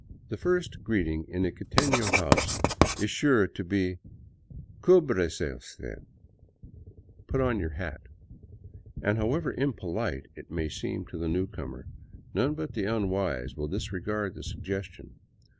The first greeting in a quiteno house is siire to be " Cubrese usted "(" Put on your hat "), and however impolite it may seem to the newcomer, none but the unwise will disregard the sug gestion.